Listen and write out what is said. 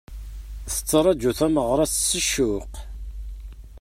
Tettraǧu tameɣra-s s ccuq.